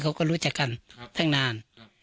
เขาก็รู้จักกันตั้งนาน